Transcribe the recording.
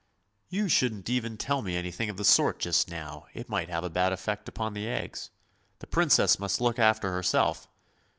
"" You shouldn't even tell me anything of the sort just now, it might have a bad effect upon the eggs. The Princess must look after herself!